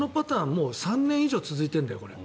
もう３年以上続いてるんだよ。